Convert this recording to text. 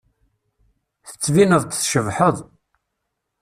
Tettbineḍ-d tcebḥeḍ.